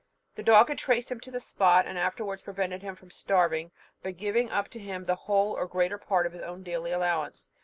The dog had traced him to the spot, and afterwards prevented him from starving by giving up to him the whole, or the greater part of his own daily allowance.